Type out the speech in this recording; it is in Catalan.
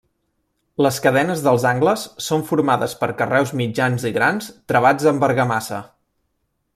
Les cadenes dels angles són formades per carreus mitjans i grans travats amb argamassa.